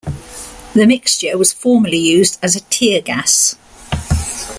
The mixture was formerly used as a tear gas.